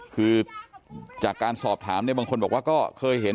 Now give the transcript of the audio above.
คือจากการสอบถามบางคนบอกว่าเคยเห็น